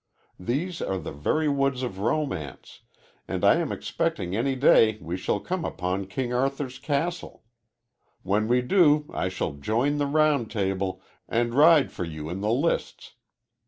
These are the very woods of romance, and I am expecting any day we shall come upon King Arthur's castle. When we do I shall join the Round Table and ride for you in the lists.